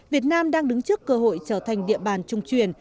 việt nam đang đứng trước cơ hội trở thành địa bàn trung truyền